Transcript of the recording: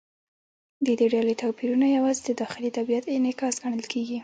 د دې ډلې توپیرونه یوازې د داخلي طبیعت انعکاس ګڼل کېږي.